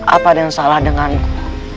apa yang salah denganku